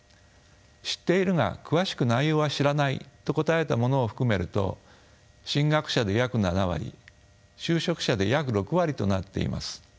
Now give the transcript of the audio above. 知っているが詳しく内容は知らないと答えた者を含めると進学者で約７割就職者で約６割となっています。